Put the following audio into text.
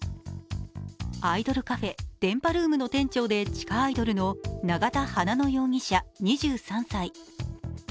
アイドルカフェＤＥＮＰＡＲＯＯＭ店長で地下アイドルの永田花乃容疑者２３歳。